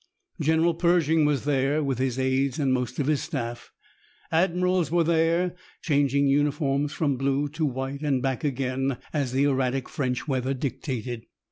General Pershing was there, with his aides and most of his staff. Admirals were there, changing uniforms from blue to white and back again as the erratic French weather dictated.